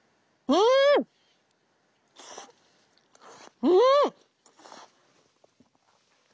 うん！